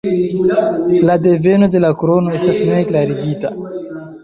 La deveno de la krono estas ne klarigita.